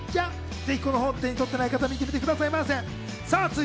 ぜひ、この本を手に取ったら見てみてください。